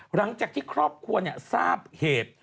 หลังจากที่ครอบครัวทราบเหตุ